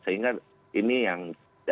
sehingga ini yang